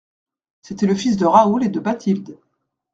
C'était le fils de Raoul et de Bathilde.